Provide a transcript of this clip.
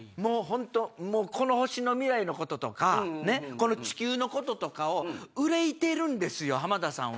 この星の未来のこととか地球のこととかを憂いてるんですよ浜田さんは。